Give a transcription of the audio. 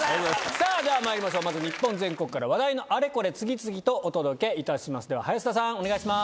さぁではまいりましょう日本全国から話題のあれこれ次々とお届けいたしますでは林田さんお願いします。